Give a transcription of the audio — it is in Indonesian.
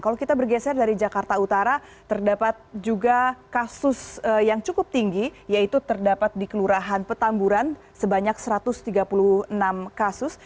kalau kita bergeser dari jakarta utara terdapat juga kasus yang cukup tinggi yaitu terdapat di kelurahan petamburan sebanyak satu ratus tiga puluh enam kasus